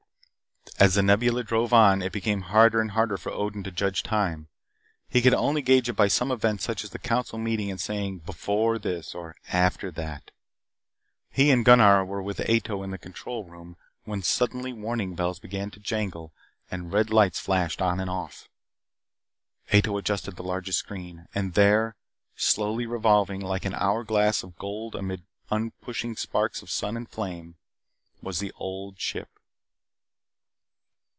As The Nebula drove on, it became harder and harder for Odin to judge time. He could only gauge it by some event such as the council meeting and say "before this" or "after that." He and Gunnar were with Ato in the control room when suddenly warning bells began to jangle and red lights flashed on and off. Ato adjusted the largest screen. And there, slowly revolving like an hour glass of gold amid uprushing sparks of sun and flame, was The Old Ship.